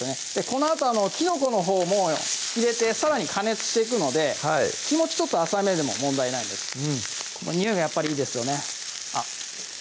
このあときのこのほうも入れてさらに加熱していくので気持ちちょっと浅めでも問題ないですにおいやっぱりいいですよね